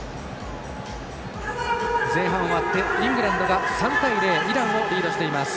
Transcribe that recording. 前半終わってイングランドが３対０でイランをリードしてます。